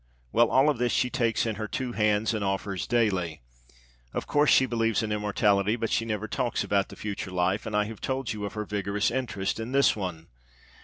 Well, all of this she takes in her two hands and offers daily. Of course, she believes in immortality, but she never talks about the future life, and I have told you of her vigorous interest in this one.